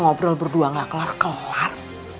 ngobrol berdua gak kelar kelar